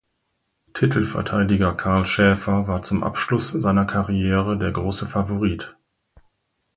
Titelverteidiger Karl Schäfer war zum Abschluss seiner Karriere der große Favorit.